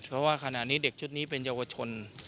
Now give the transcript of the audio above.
เพราะว่าขณะนี้เด็กชุดนี้เป็นเยาวชน